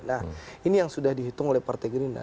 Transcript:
nah ini yang sudah dihitung oleh partai gerindra